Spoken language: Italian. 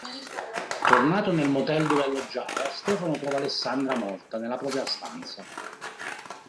Tornato nel motel dove alloggiava, Stefano trova Alessandra morta nella propria stanza.